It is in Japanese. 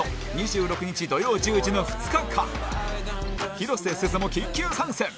広瀬すずも緊急参戦！